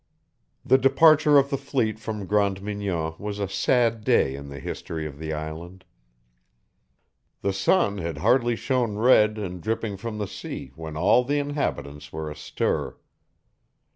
The departure of the fleet from Grande Mignon was a sad day in the history of the island. The sun had hardly shown red and dripping from the sea when all the inhabitants were astir.